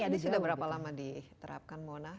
ini sudah berapa lama diterapkan mona